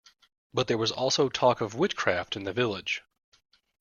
But there was also talk of witchcraft in the village.